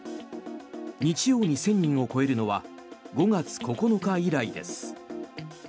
日曜に１０００人を超えるのは５月９日以来です。